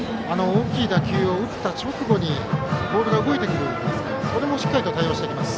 大きい打球を打った直後にボールが動いてくるんですがそれにもしっかり対応します。